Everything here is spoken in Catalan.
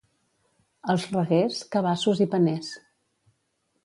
Als Reguers, cabassos i paners.